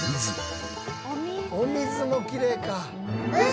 お水もきれいか。